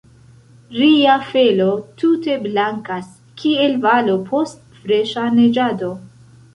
Ria felo tute blankas, kiel valo post freŝa neĝado.